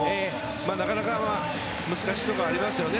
なかなか難しいところがありますよね。